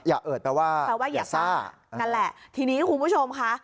เอิดแปลว่าแปลว่าอย่าซ่านั่นแหละทีนี้คุณผู้ชมค่ะ